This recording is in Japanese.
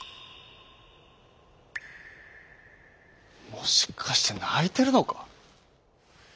「もしかしてないてるのか？」。